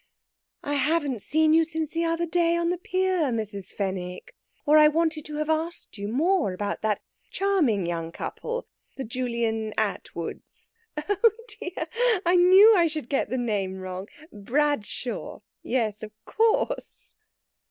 "I haven't seen you since the other day on the pier, Mrs. Fenwick, or I wanted to have asked you more about that charming young couple, the Julian Attwoods. Oh dear! I knew I should get the name wrong.... Bradshaw! Yes, of course."